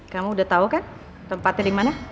kamu udah tahu kan tempatnya dimana